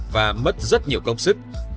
và mất rất nhiều công sức